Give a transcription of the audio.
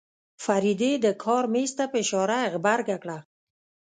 فريدې د کار مېز ته په اشاره غبرګه کړه.